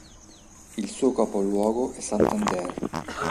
Il suo capoluogo è Santander.